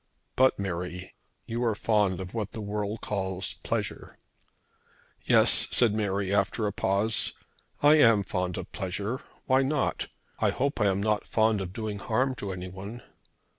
But Mary, you are fond of what the world calls pleasure." "Yes," said Mary, after a pause, "I am fond of pleasure. Why not? I hope I am not fond of doing harm to anyone."